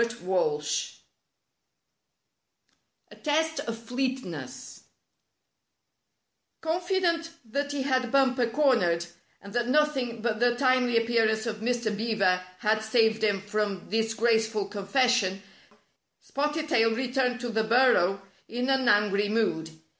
STORY V A TEST OF FLEETNESS Confident that he had Bumper cornered, and that nothing but the timely appearance of Mr. Beaver had saved him from disgraceful confes sion, Spotted Tail returned to the burrow in an angry mood.